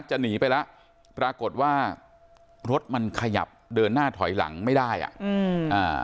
จะหนีไปแล้วปรากฏว่ารถมันขยับเดินหน้าถอยหลังไม่ได้อ่ะอืมอ่า